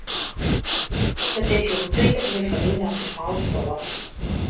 It is hjoed tritich jier ferlyn dat ús heit stoar.